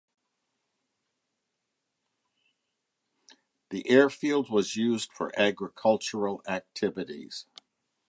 The airfield was used for agricultural activities.